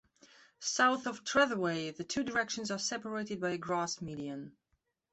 South of Trethewey, the two directions are separated by a grass median.